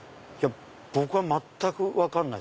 僕は全く分かんない。